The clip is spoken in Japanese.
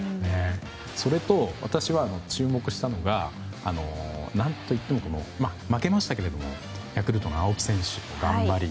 それと、私は注目したのが何といっても負けましたけれどもヤクルトの青木選手の頑張り。